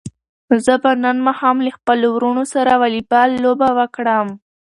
زه به نن ماښام له خپلو وروڼو سره واليبال لوبه وکړم.